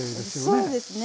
そうですね。